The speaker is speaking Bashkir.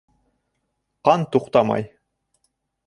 Ҡан туҡтамай!